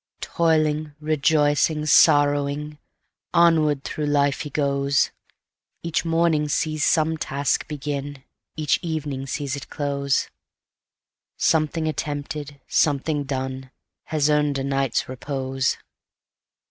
Toiling,—rejoicing,—sorrowing, Onward through life he goes; Each morning sees some task begin, Each evening sees it close; Something attempted, something done. Has earned a night's repose.